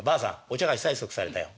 お茶菓子催促されたよ